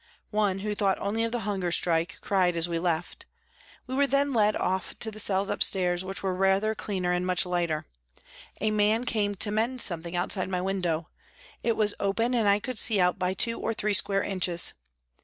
One, who thought only of the hunger strike, cried as we left. We were then led off to the cells upstairs, which were rather cleaner and much lighter. A man came to mend something outside my window ; it was open and I could see out by two or three square inches.